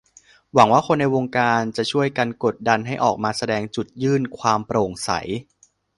หวังว่าคนในวงการจะช่วยกันกดดันให้ออกมาแสดงจุดยื่นความโปร่งใส